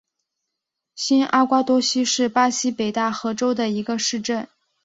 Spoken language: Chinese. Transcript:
新阿瓜多西是巴西北大河州的一个市镇。